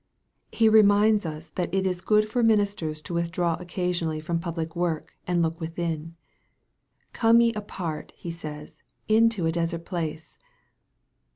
He reminds us that it is good for ministers to withdraw occasionally from public work, and look within. " Come ye apart," He says, " into a desert place."